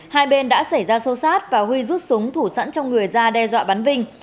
hai bên đã xảy ra sâu sát và huy rút súng thủ sẵn trong người ra đe dọa bắn vinh